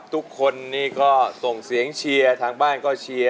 ทุกคนนี่ก็ส่งเสียงเชียร์ทางบ้านก็เชียร์